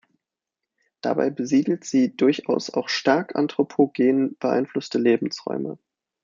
Dabei besiedelt sie durchaus auch stark anthropogen beeinflusste Lebensräume.